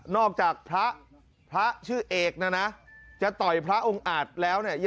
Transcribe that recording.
จากพระพระชื่อเอกนะนะจะต่อยพระองค์อาจแล้วเนี่ย